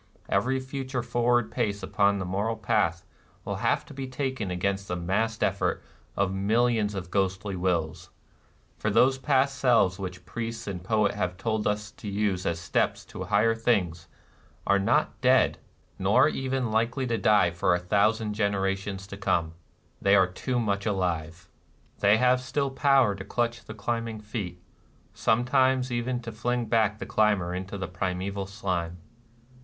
Every future forward pace upon the moral path will have to be taken against the massed effort of millions of ghostly wills. For those past selves which priest and poet have told us to use as steps to higher things are not dead, nor even likely to die for a thousand generations to come : they are too much alive ;— they have still power to NIRVANA 263 clutch the climbing feet, — sometimes even to fling back the climber into the primeval slime.